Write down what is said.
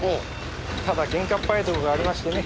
ただ喧嘩っ早いとこがありましてね。